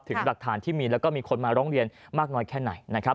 หลักฐานที่มีแล้วก็มีคนมาร้องเรียนมากน้อยแค่ไหนนะครับ